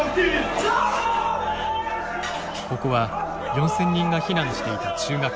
ここは４，０００人が避難していた中学校。